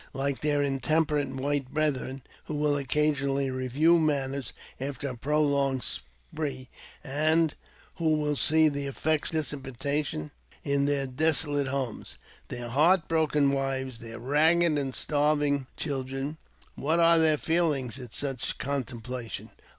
Like their intemperate white brethren^ who will occasionally review matters after a prolonged spree^ and who will see the effects of their dissipation in their deso late homes, their heart broken wives, and their ragged and starving children, what are their feelings at such a contempla tion.